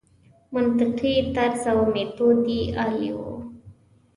منطقي طرز او میتود یې عالي وي.